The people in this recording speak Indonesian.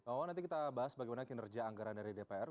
oh nanti kita bahas bagaimana kinerja anggaran dari dpr